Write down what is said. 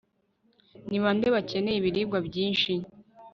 ni bande bakeneye ibiribwa byinshi